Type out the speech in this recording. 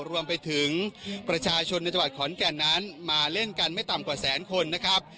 รวมไปถึงประชาชนในจังหวัดขอนแก่นนั้นมาเล่นกันไม่ต่ำกว่าแสนคนนะครับ